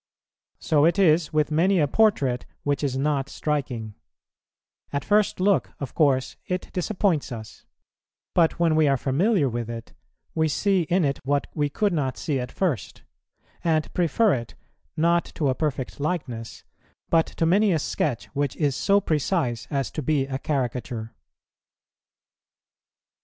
So it is with many a portrait which is not striking: at first look, of course, it disappoints us; but when we are familiar with it, we see in it what we could not see at first, and prefer it, not to a perfect likeness, but to many a sketch which is so precise as to be a caricature.